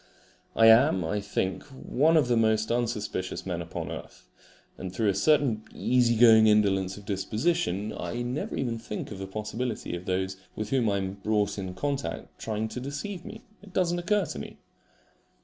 I am, I think, one of the most unsuspicious men upon earth, and through a certain easy going indolence of disposition I never even think of the possibility of those with whom I am brought in contact trying to deceive me. It does not occur to me.